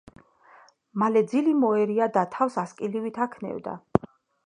მალე ძილი მოერია და თავს ასკილივით აქნევდა.